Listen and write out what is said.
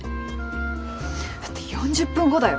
だって４０分後だよ